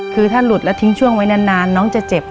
คือถ้าหลุดแล้วทิ้งช่วงไว้นานน้องจะเจ็บ